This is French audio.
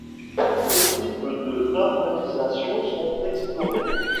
Quatre types de normalisation sont explorées.